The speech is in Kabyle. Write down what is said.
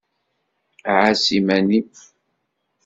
Ɛass iman-im.